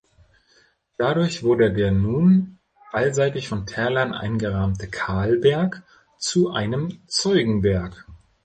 Dadurch wurde der nun allseitig von Tälern eingerahmte Kahlberg zu einem Zeugenberg.